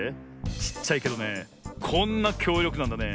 ちっちゃいけどねこんなきょうりょくなんだね。